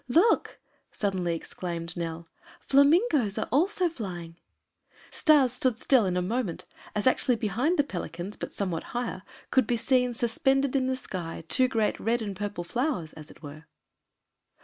"Look!" suddenly exclaimed Nell. "Flamingoes are also flying." Stas stood still in a moment, as actually behind the pelicans, but somewhat higher, could be seen, suspended in the sky, two great red and purple flowers, as it were.